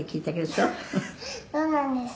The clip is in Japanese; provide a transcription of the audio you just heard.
「そうなんです」